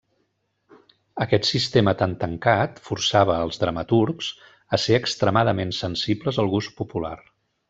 Aquest sistema tan tancat forçava als dramaturgs a ser extremadament sensibles al gust popular.